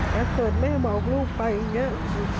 ถ้าเกิดแม่บอกลูกไปอย่างนี้